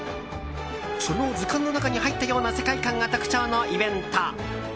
その図鑑の中に入ったような世界観が特徴のイベント。